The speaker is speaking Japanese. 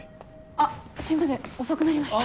あっすいません遅くなりました。